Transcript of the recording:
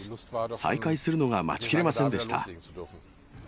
再開するのが待ちきれませんでした。